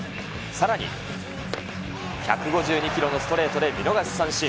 さらに、１５２キロのストレートで見逃し三振。